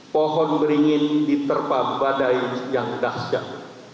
pohon beringin diterpah badai yang dahsyat